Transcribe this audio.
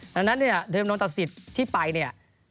ดังนั้นเวลาตัดสิทธิ์ที่ไป